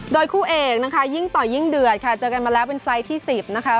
โดยคู่เอกนะคะยิ่งต่อยิ่งเดือดค่ะเจอกันมาแล้วเป็นไซส์ที่๑๐นะคะ